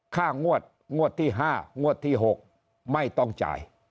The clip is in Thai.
งวดงวดที่๕งวดที่๖ไม่ต้องจ่าย